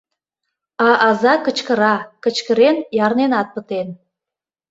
А аза кычкыра, кычкырен ярненат пытен.